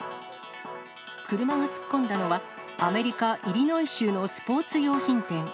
車が突っ込んだのは、アメリカ・イリノイ州のスポーツ用品店。